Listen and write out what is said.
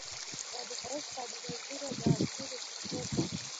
ستا د ښایست ستا دنازونو د اسونو پښو ته